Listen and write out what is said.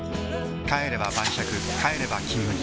帰れば晩酌帰れば「金麦」